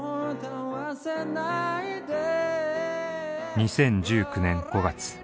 ２０１９年５月。